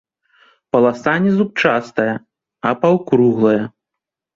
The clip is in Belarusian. Паласа не зубчастая, а паўкруглая.